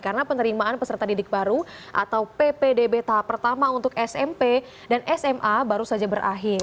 karena penerimaan peserta didik baru atau ppdb tahap pertama untuk smp dan sma baru saja berakhir